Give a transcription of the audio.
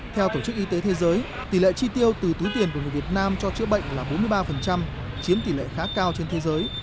theo tổ chức y tế thế giới tỷ lệ chi tiêu từ túi tiền của người việt nam cho chữa bệnh là bốn mươi ba chiếm tỷ lệ khá cao trên thế giới